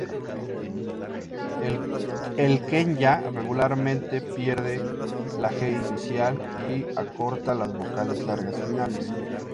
El quenya regularmente pierde la G inicial y acorta las vocales largas finales.